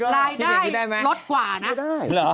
รายได้รวมลดกว่านะไม่ได้